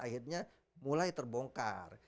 akhirnya mulai terbongkar